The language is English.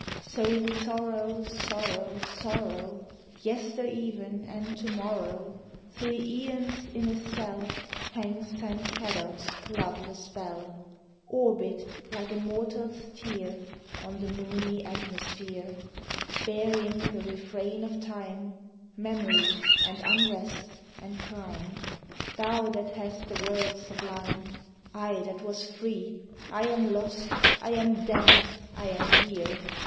So in sorrow, sorrow, sorrow Yestereven and to morrow, Thro' the æons, in a cell Hangs Saint Cadoc's loveless bell, Orbèd, like a mortal's tear, On the moony atmosphere, Bearing, the refrain of time, Memory, and unrest, and crime. Thou that hast the world sublime! I that was free, I am lost, I am damned, I am here!